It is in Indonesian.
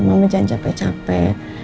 mama jangan capek capek